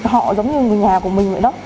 họ giống như người nhà của mình vậy đó